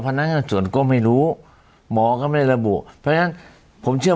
ภรรณาสูตรก็ไม่รู้หมอก็ไม่ระบุพะกะนั้นผมเชื่อ